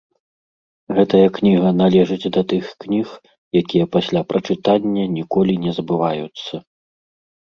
Гэтая кніга належыць да тых кніг, якія пасля прачытання ніколі не забываюцца.